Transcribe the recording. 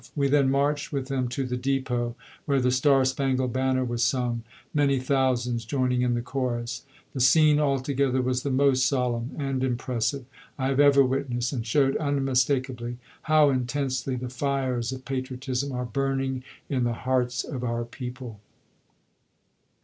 We then marched with them to the depot, where the "Star Spangled Banner" was sung, many thousands joining in the chorus. The scene altogether was the most solemn and impressive I have Browning ever witnessed, and showed unmistakably how intensely *» ^02^861' the fires of patriotism are burning in the hearts of our ms. people.